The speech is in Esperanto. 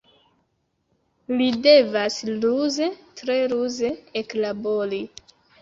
Li devas ruze, tre ruze eklabori.